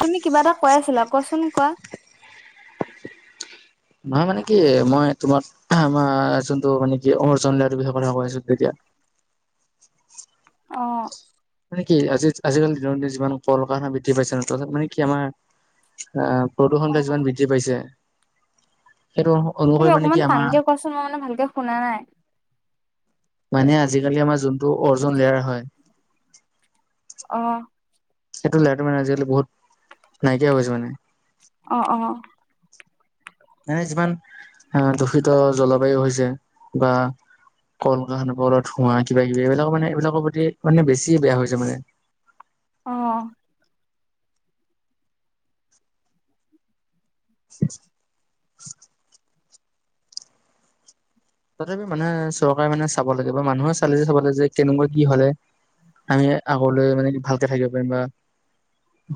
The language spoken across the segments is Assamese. তুমি কিবা এটা কৈ আছিলা কোৱাচোন কোৱা? মই মানে কি মই তোমাৰ আমাৰ যোনটো মানে কি অৰ্জন যে [inaudible] কথা কৈ আছো তেতিয়া অ। মানে কি আজি আজিকালি দিনৰ দিন যিমান কল কাৰখানা বৃদ্ধি পাইছে ন ত মানে কি আমাৰ আহ প্ৰদূষণতে যিমান বৃদ্ধি পাইছে সেইটো হ তুমি অকমান টানকে কোৱাচোন মই মানে ভালকে শুনা নাই? মানে আজিকালি আমাৰ যোনটো অৰ্জন লেয়াৰ হয় অহ। এইটো লাইটো মানে আজিকালি বহুত নাইকিয়া হৈছে মানে। অ অহ। এনে যিমান এ দূষিত জলবায়ু হৈছে বা কল কাৰখানাবোৰৰ ধোঁৱা কিবা কিবি এইবিলাকৰ মানে এইবিলাকৰ প্ৰতি মানে বেছি বেয়া হৈছে মানে অ। ছিক্স তথাপি মানে চৰকাৰে মানে চাব লাগে বা মানুহে চালে চাব লাগে যে কেনেকুৱা কি হলে আমিহে আগলৈ মানে ভালকে থাকিব পাৰিম বা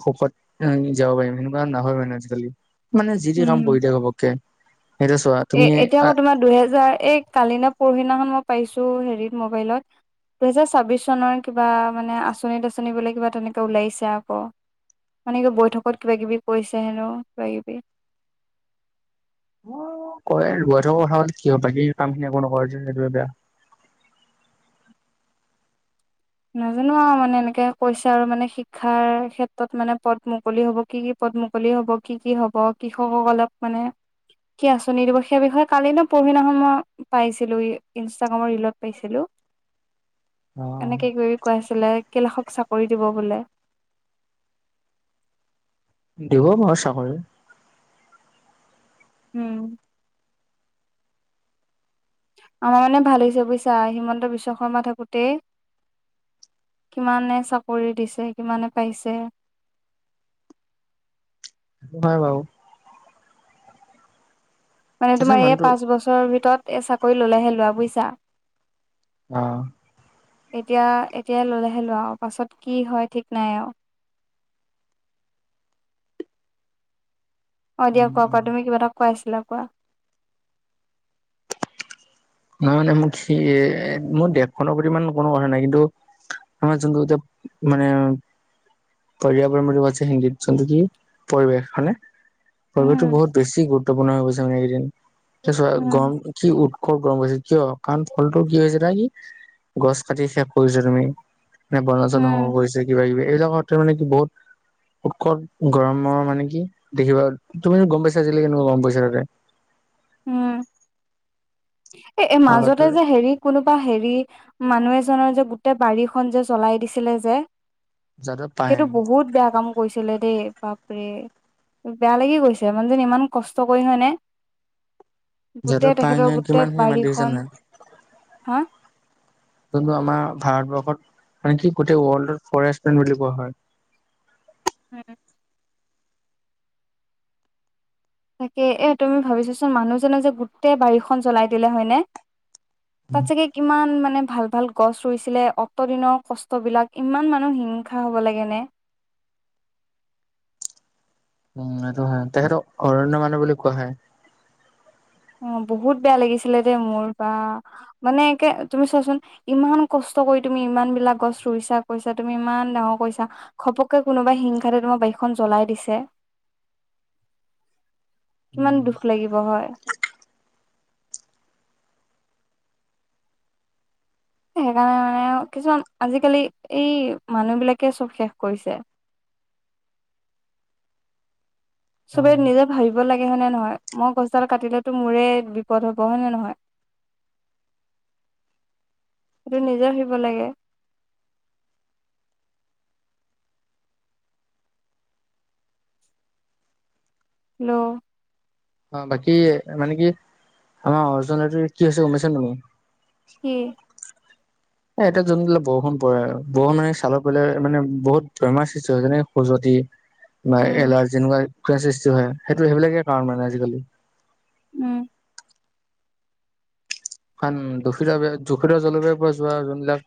সুখত আমি যাব পাৰিম সেনেকুৱা নহয় মানে আজিকালি মানে যি টি কাম উম কৰি দিয়া হব নিজৰ চোৱা। এ এতিয়া আকৌ তোমাৰ দুহেজাৰ এই কালিনা পৰহিনাখন মই পাইছো হেৰিত মোবাইলত। দুহেজাৰ ছাব্বিশ চনৰে কিবা মানে আঁচনি - দাচনি বোলে কিবা তেনেকে ওলাইছে আকৌ। মানে কি বৈঠকত কিবা কিবি কৰিছে হেনো কিবা কিবি। কয় বৈঠকত কথা হল কি হয় বাকী কামখিনি একো নকৰে যে সেইটোৱে বেয়া। নাজানো আৰু মানে এনেকে কৈছে আৰু মানে শিক্ষাৰ ক্ষেত্ৰত মানে পদ মুকলি হ'ব কি কি পদ মুকলি হ'ব, কি কি হ'ব কৃষকসকলক অলপ মানে কি আঁচনি দিব সেই বিষয়ে কালি ন পৰহিদিনাখন মই পাইছিলো ই ইনষ্টাগ্ৰামৰ ৰিলত পাইছিলোঁ। অ। উই কৰাইছিলে কেই লাখক চাকৰি দিব বোলে। দিব বাৰু চাকৰি। উম। আমাৰ মানে ভাল হৈছে বুজিছা? হিমন্ত বিশ্বশৰ্মা থাকোতে। কিমানে চাকৰি দিছে, কিমানে পাইছে। হয়' বাৰু। মানে তথাপি তোমাৰ এই মানুহটো পাঁচ বছৰৰ ভিতৰত এই চাকৰি ল'লেহে লোৱা বুজিছা? অঁ এতিয়া, এতিয়া ললেহে লোৱা আও পাছত কি হয় ঠিক নাই আও। অ' দিয়া কোৱা, কোৱা তুমি কিবা এটা কৈ আছিলা কোৱা? নহয় মানে মোক সি, এ মোৰ দেশখনৰ প্ৰতি ইমান কোনো কথা নাই। কিন্তু আমাৰ যোনটো এতিয়া মানে অঁ পৰিয়ালৰ মানুহ আছে হিন্দীত চলে কি পৰিৱেশ হয়নে? পৰিৱেশটো উম বহুত বেছি গুৰুত্বপূৰ্ণ হৈ গৈছে মানে এইকেইদিন। এতিয়া চোৱা উম গৰম কি উৎস গৰম বেছি হৈছে কিয়? কাৰণ ফলটোত যে কি হৈছে এইয়াত আহি গছ কাটিছে শেষ কৰিছা তুমি। নে বনাঞ্চল ধ্বংস উম কৰিছে কিবা কিবি এইবিলাকত মানে কি বহুত উৎকট গৰমৰ মানে কি? দেখিবা তুমি গম পাইছা আজিলৈ কেনেকুৱা কম পইছা নাযায়। উম। এ আগতে মাজতে যে হেৰিত কোনোবা হেৰি, মানুহ এজনৰ যে গোটেই বাৰীখন যে জ্বলাই দিছিলে যে যাদৱ পায়েং সেইটো বহুত বেয়া কাম কৰিছিলে দেই, বাপৰে। বেয়া লাগি গৈছে মানুহ জনে ইমান কষ্ট কৰি মানে যিহেতু ফাইন গোটেই কিমান খিনি মাটি দেখিছান বাৰীখন নাই। হা যোনটো আমাৰ ভাৰতবৰ্ষত মানে কি গোটেই ৱৰ্ল্ডত ফৰেষ্ট মেন বুলি কোৱা হয়। হুম তাকে, এ তুমি ভাবি ছোৱাচোন মানুহজনৰ যে গোটেই বাৰীখন জ্বলাই দিলে হয়নে? তাত চাগে কিমান মানে ভাল ভাল গছ ৰুইছিলে, অতদিনৰ কষ্টবিলাক ইমান মানুহ হিংসা হ'ব লাগেনে। উম' এইটো হয়। তেখেতক অৰণ্য মানুহ বুলি কোৱা হয়। উম, বহুত বেয়া লাগিছিলে দে মোৰ বা মানে একে তুমি চোৱাচোন। ইমান কষ্ট কৰি তুমি ইমান বিলাক গছ ৰুইছা কৰিছা, তুমি ইমান ডাঙৰ কৰিছা। ঘপককে কোনোবাই হিংসাতে তোমাৰ বাৰীখন জ্বলাই দিছে। কিমান উম দুখ লাগিব হয়। সেইকাৰণে মানে আও কিছুমান, আজিকালি এই মানুহ বিলাকে চব শেষ কৰিছে। চবেই অ নিজে ভাবিব লাগে হয়নে নহয়? মই গছডাল কাটিলেটো মোৰে বিপদ হ'ব হয় নে নহয়? সেইটো নিজে ভাবিব লাগে। হেল্ল অঁ বাকী মানে কি আমাৰ ওচৰনেতি কি হৈছে গম পাইছা তুমি। কি? এ, এতিয়া যোনবিলাক বৰষুণ পৰে আৰু বৰষুণ মানে চালত পৰিলে মানে বহুত বেমাৰ সৃষ্টি হয়। যেনে খজটি [inaudible] বা এলাৰ্জি এনেকুৱা এক সৃষ্টি কৰে। সেইটো সেইবিলাকে কাৰণ মানে আজিকালি উম কাৰণ দুষিত ভাবে দুষিত জলবায়ুৰ পৰা যোৱা যোনবিলাক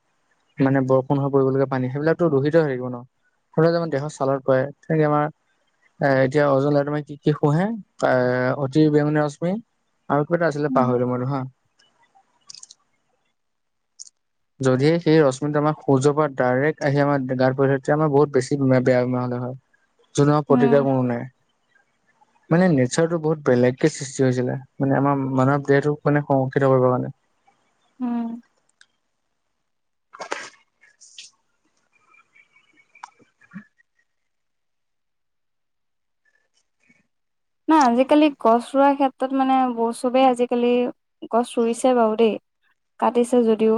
মানে বৰষুণ হৈ পৰিবলগীয়া পানী সেইবিলাকটো দুষিত হৈ থাকিব ন। সৰুতে যে আমাৰ দেহত ছালত পৰে সেই আমাৰ এ এতিয়া সূৰ্যলে তুমি কি কি শোহে এ অতি বেঙুনীয়া ৰশ্মি আৰু কেইটা আছিলে, উম পাহৰি মই হা। যদিহে, সেই ৰশ্মিটো আমাৰ সূৰ্যৰ পৰা ডাইৰেক্ট আহি আমাৰ গাত পৰিলে হয়। তেতিয়া আমাৰ বহুত বেছি বেয়া বেমাৰ হ'লে হয়। যিটো আমাৰ উম প্ৰতিকাৰ কোনো নাই। [inaudible] মানে নেচাৰটো বহুত বেলেগকে সৃষ্টি হৈছিলে, মানে আমাৰ মানৱ দেহটোক মানে সংৰক্ষিত কৰিব কাৰণে। উম' [inaudible] না আজিকালি গছ ৰোৱাৰ ক্ষেত্ৰত মানে ব চবেই আজিকালি- গছ ৰুইছে বাৰু দেই, কাটিছে যদিও।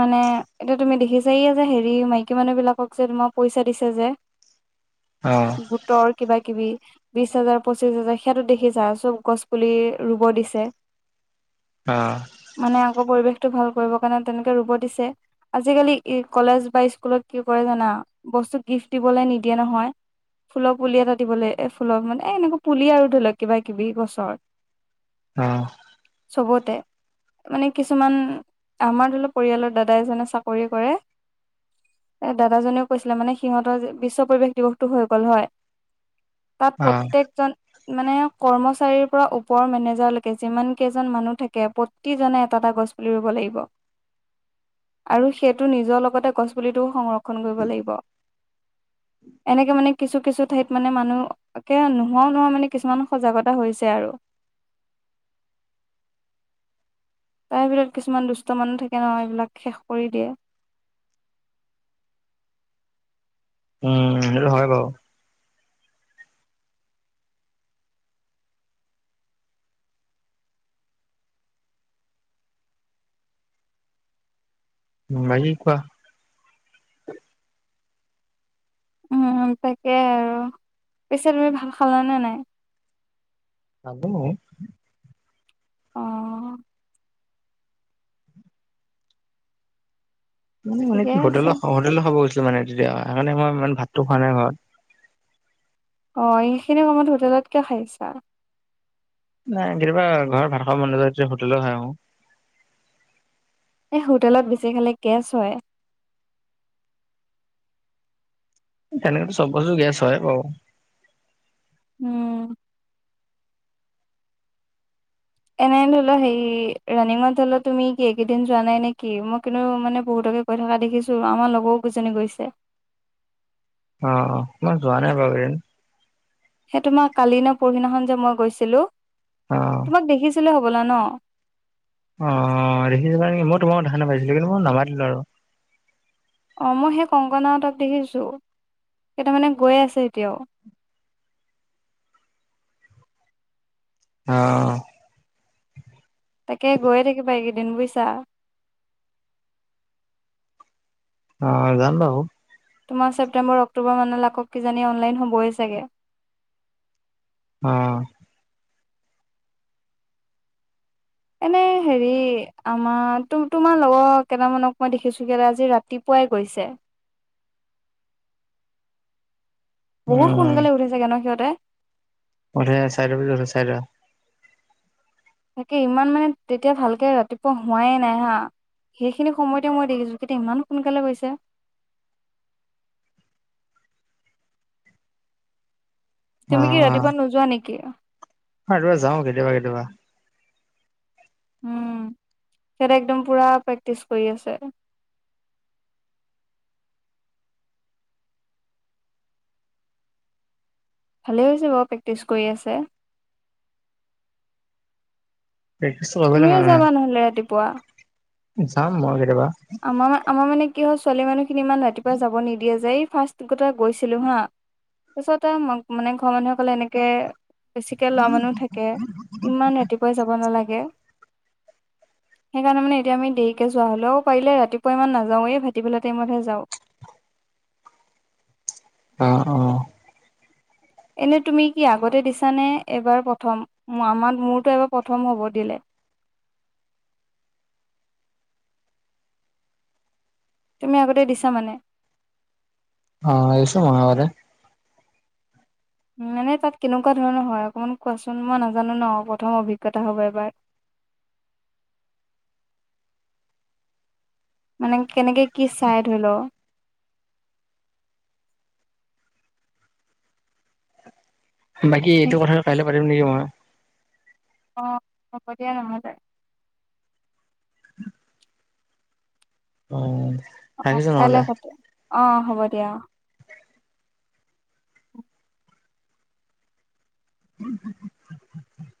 মানে এটো তুমি দেখিছা যে হেৰি মাইকী মানুহ বিলাকক যে তোমাক পইচা দিছে যে- [inaudible] অঁ' গোটৰ কিবা- কিবি বিশ হাজাৰ-পঁচিশ হাজাৰ সেটো দেখিছো গছ পুলি ৰুব দিছে। [inaudible] অঁ' মানে আকৌ পৰিৱেশতটো ভাল কৰিব কাৰণে তেনেকে ৰুব দিছে। আজিকালি কলেজ বা স্কুলত কি কৰে জানা, বস্তু গিফ্ট দিবলৈ নিদিয়ে নহয়। ফুল পুলি এটাত- দিবলে এ ফুলত মানে এনেকা পুলি আৰু ধৰি লওক কিবা-কিবি গছৰ। অঁ' চবতে। মানে কিছুমান, আমাৰ ধৰি ল পৰিয়ালত দাদাই এজনে চাকৰি কৰে- এ দাদাজনে কৈছিলে মানে সিহঁতৰ যে বিশ্ব পৰিৱেশ দিৱসতটো হৈ গ'ল হয়- তাত অ', প্ৰত্যেকজন- মানে কৰ্মচাৰীৰ পৰা ওপৰৰ মেনেজাৰলৈকে যিমান কেইজন মানুহ থাকে পত- প্ৰতিজনে এটা এটা গছপুলি ৰুব লাগিব। আৰু সেইটো নিজৰ লগতে গছপুলিটোও সংৰ- ক্ষণ কৰিব লাগিব, এনেকে মানে কিছু কিছু ঠাইত- মানে মানুহ একে নোহোৱাও নোহোৱা মানে কিছুমানে সজাগতা হৈছে আৰু। তাৰভিতত কিছুমান দুষ্ট মানুহ থাকে নহয় এইবিলাক শেষ কৰি দিয়ে। উম, সেইটো হয় বাৰু। উম' মা এই কোৱা। উম' তাকে আৰু পিছে তুমি ভাত খালা নে নাই? খালো। অ উম' মায়ে ঠিকে কি? হোটেল আছে খ হোটেলত খাব গৈছিলো মানে তেতিয়া, সেইকাণে ময় ইমান ভাতটো খোৱা নাই ঘৰত। অঁ' এইখিনি সময়ত হোটেলত কিয় খাই আহিছা? নাই কেতিয়াবা ঘৰত ভাত খাব মন নাযায়, তেতিয়া হোটেলত খাই আহো। এই হোটেলত বেছি খালে গেছ হয়। তেনেকেটো চবতে গেছ হয় বাও। উম' এনেই ধৰি লোৱা হেৰি ৰাণিঙত ধৰি ল তুমি কি এই কেইদিন যোৱা নাই নে কি মই কিন্তু মানে বহুতকে- গৈ থকা দেখিছোঁ, আমাৰ লগৰো গোজনী গৈছে। অঁ অঁ, মই যোৱা নাই বাৰু এইকেদিন। সেই তোমাৰ কালি ন পৰহিনাখন যে মই গৈছিলো, অ'। তোমাক দেখিছিলোৱে হ'বলা ন? অঁ দেখিছিলা নেকি, মই তোমাক দেখা নিছিনা পাইছিলো কিন্তু মই নামাতিলো আৰু। অঁ মই সেই কংকনাৱতক দেখিছোঁ, কেইটামানে গৈ আছে এতিয়াও। অঁ' তাকে গৈয়ে থাকিবা এইকেইদিন বুইছা। অ যাম বাওঁ তোমাৰ ছেপ্টেমৰ, অক্টোবৰ মানলৈ আকৌ কিজানি অনলাইন হ'বই চাগে অ এনেই হেৰি আমাৰ তো তোমাৰ লগৰ কেইটামানক মই দেখিছোঁগে আজি ৰাতিপুৱাই গৈছে। বহুত উম, সোনকালে উঠেছাগে ন সিঁহতে বোলে চাৰিটা বজাত উঠে চাৰিটা তাকে ইমান মানে তেতিয়া ভালকে ৰাতিপুৱা হোৱাই নাই হা সেইখিনি সময়তে মই দেখিছোঁ হেতি ইমান সোনকালে গৈছে অ তুমি কি ৰাতিপুৱা নোযোৱা নেকি? আৰু যাওঁ কেতিয়া কেতিবা উম সেতে একদম পুৰা প্ৰেক্টিচ কৰি আছে ভালেই হৈছে বাঅ প্ৰেক্টিচ কৰি আছে প্ৰেক্টিচ তুমিও যাবা নহলে ৰাতিপুৱা যাম মই কেতেবা আমাৰ আমাৰ মানে কি হ'ল ছোৱালী মানুহখিনি ইমান ৰাতিপুৱাই যাব নিদিয়ে যে এই ফাৰ্ষ্ট গটা গৈছিলোঁ হা তাছত এ ম মানে ঘৰ মানুহে কলে এনেকে বেছিকে লয়া মানুহ থাকে ইমান ৰাতি কৈ যাব নালাগে সেইকাৰণে মানে এতিয়া আমি দেৰিকে যোৱা হলও পাৰিলে ৰাতিপুৱা ইমান নাযাওৱেই ভাটিবেলা টাইমতহে যাওঁ অ অ এনে তুমি কি আগতে দিছানে, এবাৰ প্ৰথম আমাৰ মোৰতো এবাৰ প্ৰথম হ'ব দিলে তুমি আগতে দিছা মানে? অ দিছোঁ মই আগতে মানে তাত কেনেকুৱা ধৰণৰ হয় অকণমান কোৱাচোন, মই নাজানো ন প্ৰথম অভিজ্ঞতা হ'ব এবাৰ মানে কেনেকে কি চাই ধৰি ল বাকী এইটো কথা কাইলে পাতিম নেকি মই অ হ'ব দিয়া নহলে হয় অ কাইলে পাতিম। অ হ'ব দিয়া অ অ [inaudible]